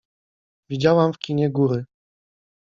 Widziałam w kinie góry.